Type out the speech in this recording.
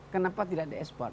kenapa tidak di ekspor